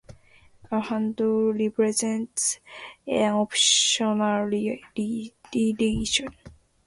A handle represents an optional relation.